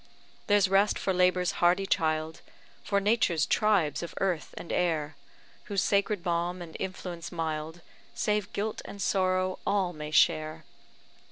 There's rest for labour's hardy child, For Nature's tribes of earth and air, Whose sacred balm and influence mild, Save guilt and sorrow, all may share.